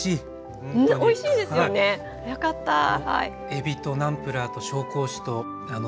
えびとナムプラーと紹興酒と鶏肉